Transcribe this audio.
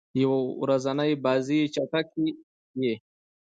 یو ورځنۍ بازۍ چټکي يي.